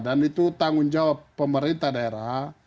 dan itu tanggung jawab pemerintah daerah